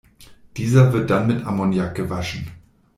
Dieser wird dann mit Ammoniak gewaschen.